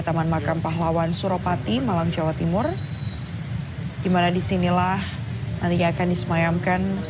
taman makam pahlawan suropati malang jawa timur hai gimana disinilah nanti akan disemayamkan